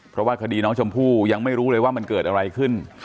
เพราะว่าคดีน้องชมพู่ยังไม่รู้เลยว่ามันเกิดอะไรขึ้น